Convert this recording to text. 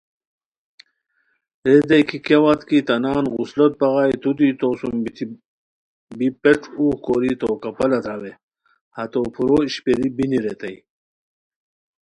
ریتائے کی کیاوت کی تہ نان غسلوت بغائے تو دی توسوم بیتی بی پیݯ اوغ کوری تو کپالہ داروے، ہتو پھورو اشپیری بینی ریتائے